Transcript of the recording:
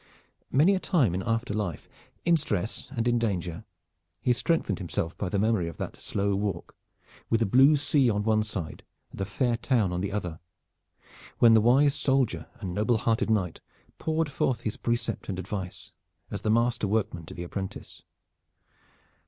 Many a time in after life, in stress and in danger, he strengthened himself by the memory of that slow walk with the blue sea on one side and the fair town on the other, when the wise soldier and noble hearted knight poured forth his precept and advice as the master workman to the apprentice.